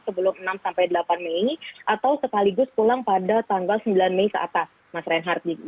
sebelum enam sampai delapan mei atau sekaligus pulang pada tanggal sembilan mei ke atas mas reinhardt